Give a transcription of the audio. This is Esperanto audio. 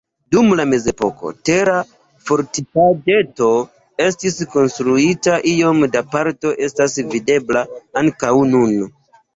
Dum la mezepoko tera fortikaĵeto estis konstruita, iom da parto estas videbla ankaŭ nun.